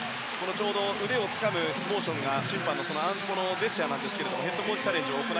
腕をつかむモーションが審判のアンスポのジェスチャーなんですがヘッドコーチチャレンジです。